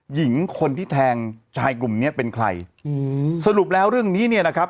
หญิงคนที่แทงชายกลุ่มเนี้ยเป็นใครอืมสรุปแล้วเรื่องนี้เนี่ยนะครับ